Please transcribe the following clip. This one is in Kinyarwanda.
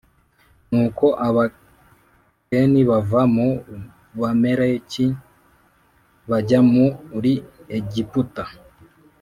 Nuko Abakeni bava mu Bamaleki bajya muri Egiputa